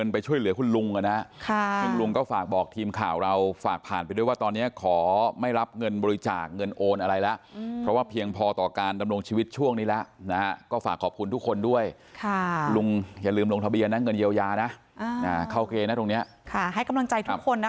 พอเรื่องราวถูกแชร์ไป